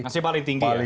masih paling tinggi ya